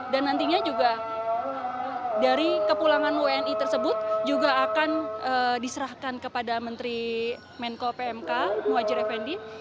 dan nantinya juga dari kepulangan wni tersebut juga akan diserahkan kepada menteri menko pmk muwajir effendi